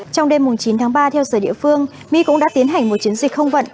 trong đêm chín tháng ba theo giờ địa phương mỹ cũng đã tiến hành một chiến dịch không vận